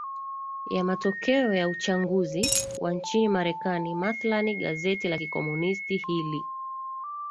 ya matokeo ya uchanguzi wa nchini marekani mathlan gazeti la kikomunisti hili